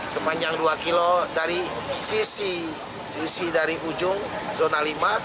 sepanjang dua km dari sisi dari ujung zona lima